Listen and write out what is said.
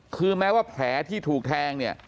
คือแม้ว่าแผลที่ถูกแทงเนี่ย